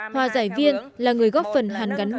hòa giải viên là người góp phần hàng gắn bộ